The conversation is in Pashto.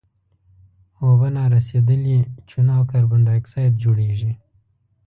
اوبه نارسیدلې چونه او کاربن ډای اکسایډ جوړیږي.